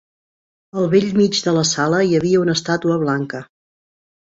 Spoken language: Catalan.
Al bell mig de la sala hi havia una estàtua blanca